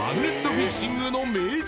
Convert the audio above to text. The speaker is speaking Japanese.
フィッシングの名人